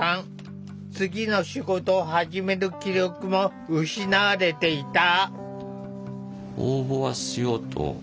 次の仕事を始める気力も失われていた。